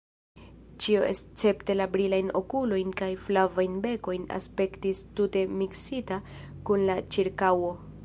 Ĉio escepte la brilajn okulojn kaj flavajn bekojn aspektis tute miksita kun la ĉirkaŭo.